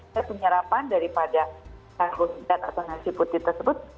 itu penyerapan daripada karbohidrat atau nasi putih tersebut